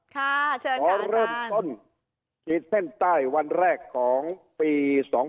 ขอเริ่มต้นที่เส้นใต้วันแรกของปี๒๑๖๖